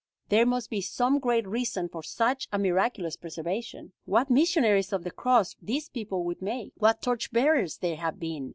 There must be some great reason for such a miraculous preservation. What missionaries of the cross these people would make! What torch bearers they have been!